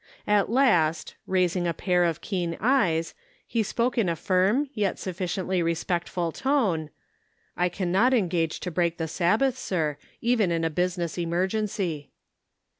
At last, raising a pair of keen eyes, he spoke in a firm, yet sufficiently respectful tone :" I cannot engage to break the Sabbath, sir, even in a business emergency."